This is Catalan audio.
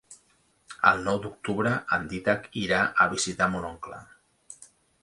El nou d'octubre en Dídac irà a visitar mon oncle.